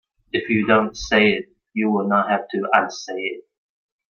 If you don't say it you will not have to unsay it.